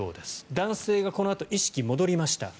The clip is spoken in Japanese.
男性がこのあと意識戻りました。